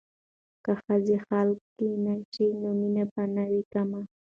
که ښځې خاله ګانې شي نو مینه به نه وي کمه.